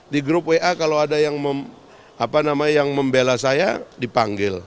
di grup wa kalau ada yang membela saya dipanggil